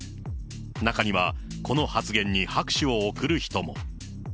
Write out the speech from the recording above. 中にはこの発言に拍手を送る人も。